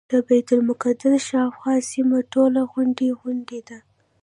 د بیت المقدس شاوخوا سیمه ټوله غونډۍ غونډۍ ده.